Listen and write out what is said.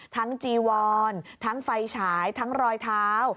จีวอนทั้งไฟฉายทั้งรอยเท้า